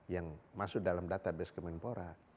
yang masuk dalam database kemenpora